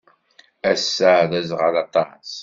Ass-a, d aẓɣal aṭas.